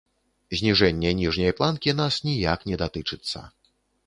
Зніжэнне ніжняй планкі нас ніяк не датычыцца.